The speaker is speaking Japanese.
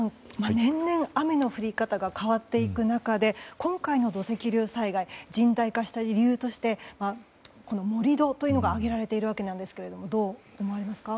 年々雨の降り方が変わっていく中で今回の土石流災害が甚大化した理由として盛り土が挙げられていますがどう思われますか。